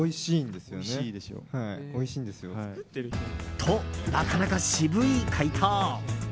と、なかなか渋い回答。